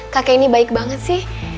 kakek ini baik banget sih